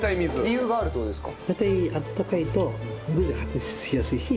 理由があるって事ですか？